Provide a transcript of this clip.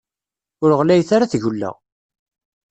Ur ɣlayet ara tgella.